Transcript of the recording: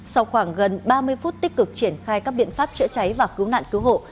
sau khoảng gần ba mươi phút tích cực triển khai các biện pháp chữa cháy và cứu nạn cứu hộ